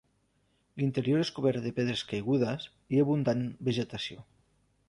L'interior és cobert de pedres caigudes i abundant vegetació.